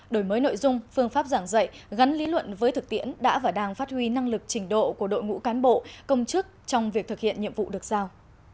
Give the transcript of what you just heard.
đổi mới nội dung phương pháp giảng dạy gắn lý luận với thực tiễn đã và đang phát huy năng lực trình độ của đội ngũ cán bộ công chức trong việc thực hiện nhiệm vụ được giao